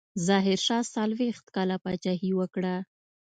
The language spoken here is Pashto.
ظاهرشاه څلوېښت کاله پاچاهي وکړه.